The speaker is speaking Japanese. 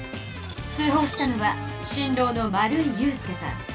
通ほうしたのは新郎の丸井優介さん。